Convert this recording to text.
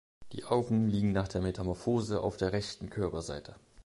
Die Augen liegen nach der Metamorphose auf der rechten Körperseite.